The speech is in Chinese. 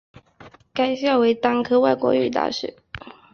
该校为单科外国语大学。